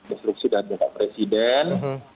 instruksi dari pak presiden